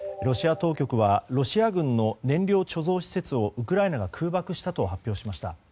ロシア当局はロシア軍の燃料貯蔵施設をウクライナが空爆したと発表しました。